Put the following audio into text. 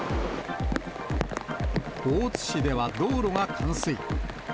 大津市では道路が冠水。